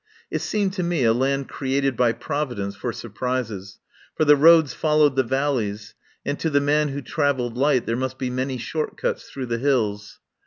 It seemed to me a land created by Providence for surprises, for the roads fol lowed the valleys, and to the man who trav elled light there must be many short cuts through the hills.